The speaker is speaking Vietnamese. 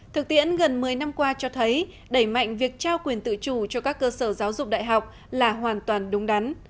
thực tiễn gần một mươi năm qua cho thấy đẩy mạnh việc trao quyền tự chủ cho các cơ sở giáo dục đại học là hoàn toàn đúng đắn